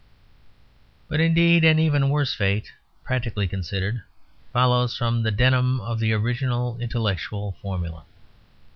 But, indeed, an even worse fate, practically considered, follows from the denim of the original intellectual formula.